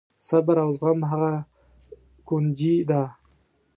صبر او زغم هغه کونجي ده.